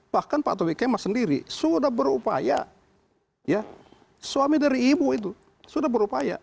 bahkan pak tobi kemah sendiri sudah berupaya ya suami dari ibu itu sudah berupaya